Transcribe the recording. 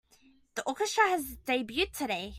The orchestra has its debut today.